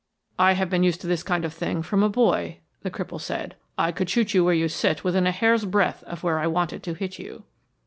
"I have been used to this kind of thing from a boy," the cripple said. "I could shoot you where you sit within a hair's breadth of where I wanted to hit you."